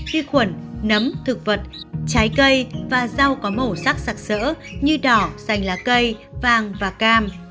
vi khuẩn nấm thực vật trái cây và rau có màu sắc sạc sỡ như đỏ xanh lá cây vàng và cam